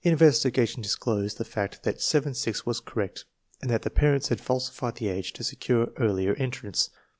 Investigation disclosed the fact that 7 6 was correct and that the parents had falsified the age to secure earlier en* trance.